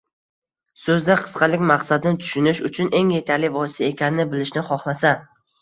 so‘zda qisqalik maqsadni tushunish uchun eng yetarli vosita ekanini bilishni xohlasa